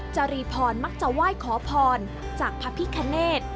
จรีพรมักจะไหว้ขอพรจากพระพิคเนธ